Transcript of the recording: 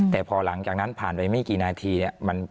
แต่พอหลังจากนั้นผ่านไปไม่กี่นาทีเนี่ย